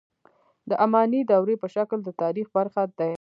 د اماني دورې په شکل د تاریخ برخه دي.